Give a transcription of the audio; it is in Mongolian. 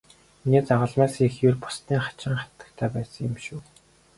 Миний загалмайлсан эх ер бусын хачин хатагтай байсан юм шүү.